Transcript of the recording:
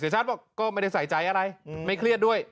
เสียชัดว่าก็ไม่ได้ใส่ใจอะไรไม่เครียดด้วย